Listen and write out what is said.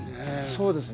そうですね。